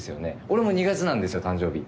俺も２月なんですよ誕生日。